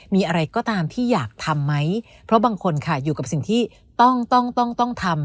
มีอะไรก็ตามที่อยากทำไหมเพราะบางคนค่ะอยู่กับสิ่งที่ต้องต้องทำ